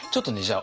あ！